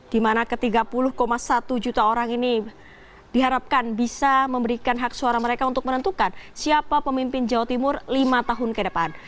di mana ke tiga puluh satu juta orang ini diharapkan bisa memberikan hak suara mereka untuk menentukan siapa pemimpin jawa timur lima tahun ke depan